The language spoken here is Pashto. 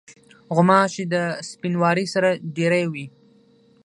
غوماشې د سپینواري سره ډېری وي.